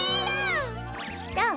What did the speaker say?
どう？